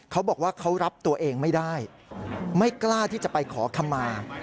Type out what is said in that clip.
เขาบอกว่าเขารับตัวเองไม่ได้ไม่กล้าที่จะไปขอคำมา